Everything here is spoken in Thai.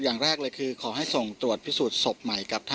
มันไม่ใช่แหละมันไม่ใช่แหละ